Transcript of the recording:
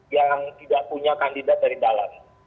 yang tidak punya kandidat dari dalam